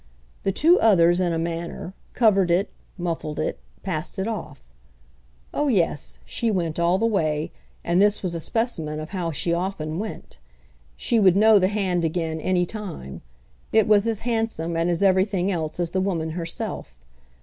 The two others in a manner, covered it, muffled it, passed it off. Oh yes, she went all the way, and this was a specimen of how she often went. She would know the hand again any time. It was as handsome and as everything else as the woman herself.